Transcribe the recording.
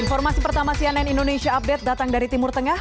informasi pertama cnn indonesia update datang dari timur tengah